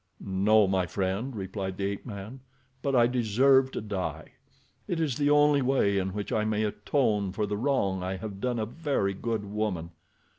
"No, my friend," replied the ape man; "but I deserve to die. It is the only way in which I may atone for the wrong I have done a very good woman.